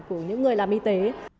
của những người làm y tế